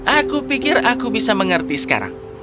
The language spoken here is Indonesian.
aku pikir aku bisa mengerti sekarang